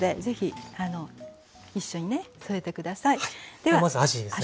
ではまずあじですね。